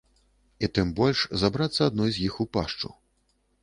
І тым больш забрацца адной з іх у пашчу.